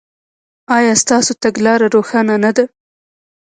ایا ستاسو تګلاره روښانه نه ده؟